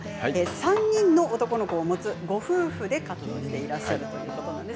３人の男の子を持つご夫婦で活動していらっしゃいます。